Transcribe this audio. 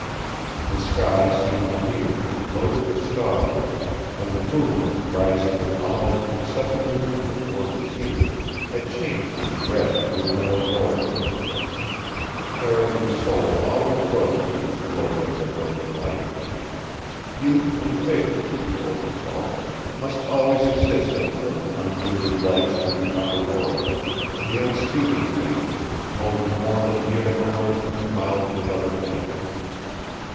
The sky seemed near, loaded with stars, and the moon, rising with almost perceptible movement toward the zenith, had changed from red to a mellow gold. Carrigan's soul always rose to this glory of the northern light. Youth and vigor, he told himself, must always exist under those unpolluted lights of the upper worlds, the unspeaking things which had told him more than he had ever learned from the mouths of other men.